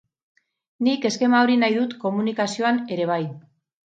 Nik eskema hori nahi dut komunikazioan ere bai.